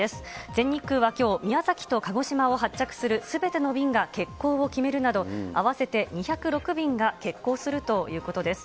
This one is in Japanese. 全日空はきょう、宮崎と鹿児島を発着するすべての便が欠航を決めるなど、合わせて２０６便が欠航するということです。